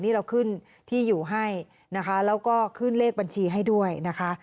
นี่เราขึ้นที่อยู่ให้นะคะแล้วก็ขึ้นเลขบัญชีให้ด้วยนะคะ